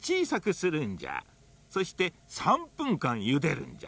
そして３ぷんかんゆでるんじゃ。